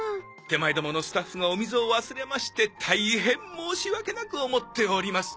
手前どものスタッフがお水を忘れまして大変申し訳なく思っております。